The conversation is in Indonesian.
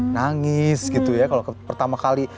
nangis gitu ya kalau pertama kali